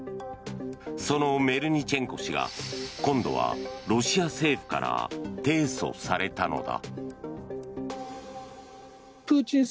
そのメルニチェンコ氏が今度はロシア政府から提訴されたのだ。